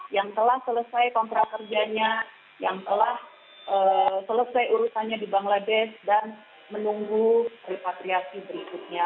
yang telah selesai kontrak kerjanya yang telah selesai urusannya di bangladesh dan menunggu repatriasi berikutnya